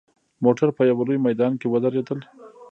موټر په یوه لوی میدان کې ودرېدل.